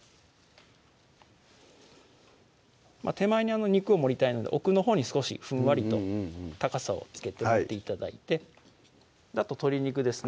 手前に肉を盛りたいので奥のほうに少しふんわりと高さをつけて盛って頂いてあと鶏肉ですね